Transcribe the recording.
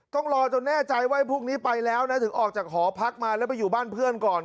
ต้องรอจนแน่ใจว่าพวกนี้ไปแล้วนะถึงออกจากหอพักมาแล้วไปอยู่บ้านเพื่อนก่อน